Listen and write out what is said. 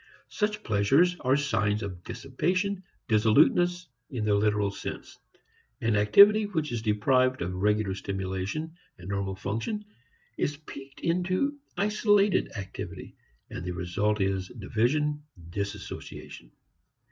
Such pleasures are signs of dissipation, dissoluteness, in the literal sense. An activity which is deprived of regular stimulation and normal function is piqued into isolated activity, and the result is division, disassociation.